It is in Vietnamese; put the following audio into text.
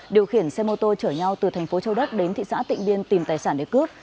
điều khiển xe mô tô chở nhau từ thành phố châu đốc đến thị xã tịnh biên tìm tài sản để cướp